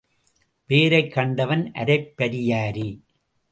வேரைக் கண்டவன் அரைப் பரியாரி.